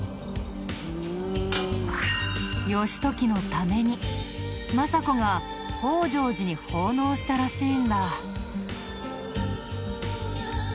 義時のために政子が北條寺に奉納したらしいんだ。